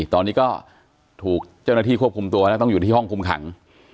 ตอนนี้ก็ถูกเจ้าหน้าที่ควบคุมตัวแล้วต้องอยู่ที่ห้องคุมขัง